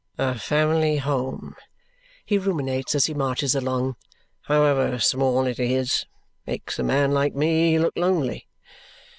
"A family home," he ruminates as he marches along, "however small it is, makes a man like me look lonely.